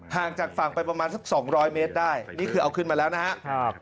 ห่างจากฝั่งไปประมาณสัก๒๐๐เมตรได้นี่คือเอาขึ้นมาแล้วนะครับ